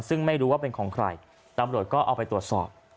ซึ่งไม่รู้ว่าเป็นของใครตำรวจก็เอาไปตรวจสอบ